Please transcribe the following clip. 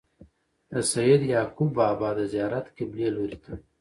د سيد يعقوب بابا د زيارت قبلې لوري ته